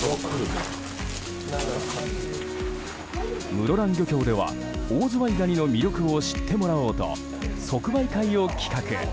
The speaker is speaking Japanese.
室蘭漁協ではオオズワイガニの魅力を知ってもらおうと即売会を企画。